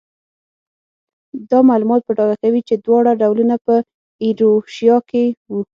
دا معلومات په ډاګه کوي چې دواړه ډولونه په ایروشیا کې وو.